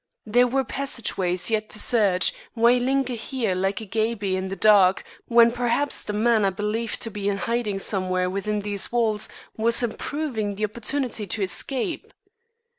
There were passage ways yet to search, why linger here like a gaby in the dark when perhaps the man I believed to be in hiding somewhere within these walls, was improving the opportunity to escape?